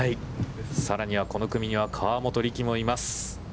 さらにはこの組には、河本力もいます。